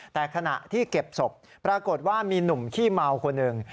แต่ขณะที่เก็บศพปรากฏว่ามีหนุ่มขี้เมาคนหนึ่ง